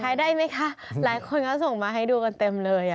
ได้ไหมคะหลายคนก็ส่งมาให้ดูกันเต็มเลย